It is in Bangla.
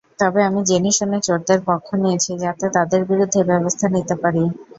তবে আমি জেনেশুনে চোরদের পক্ষ নিয়েছি, যাতে তাদের বিরুদ্ধে ব্যবস্থা নিতে পারি।